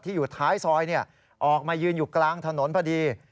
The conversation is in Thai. อยู่ท้ายซอยออกมายืนอยู่กลางถนนพอดี